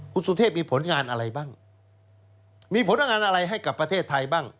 คุณสุเทพมีผลงานอะไรบ้างมีผลงานอะไรให้กับประเทศไทยบ้าง